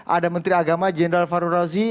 ada menteri agama jenderal farul razi